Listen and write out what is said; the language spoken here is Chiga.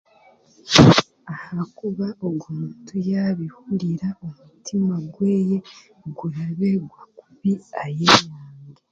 ahakuba ogu omuntu yaabihurira omutima gweye gurabegwa kubi ayeyange